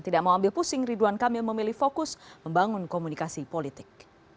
tidak mau ambil pusing ridwan kamil memilih fokus membangun komunikasi politik